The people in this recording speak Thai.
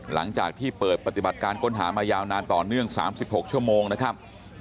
หลังจากที่เปิดปฏิบัติการค้นหามายาวนานต่อเนื่อง๓๖ชั่วโมงนะครับ